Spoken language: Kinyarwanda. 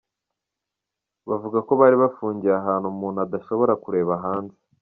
Bavuga ko bari bafungiye ahantu umuntu adashobora kureba hanze.